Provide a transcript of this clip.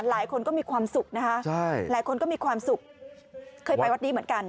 หลายคนก็มีความสุขนะคะหลายคนก็มีความสุขเคยไปวัดนี้เหมือนกัน